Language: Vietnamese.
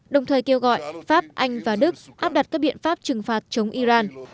đồng thời kêu gọi pháp anh và đức áp đặt các biện pháp trừng phạt chống iran